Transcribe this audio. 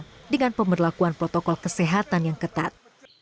pemerintah pun bisa menghasilkan pemberlakuan protokol kesehatan yang ketat